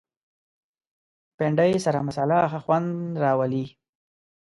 بېنډۍ سره مصالحه ښه خوند راولي